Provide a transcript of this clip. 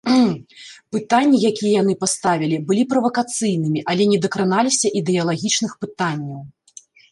Пытанні, якія яны паставілі, былі правакацыйнымі, але не дакраналіся ідэалагічных пытанняў.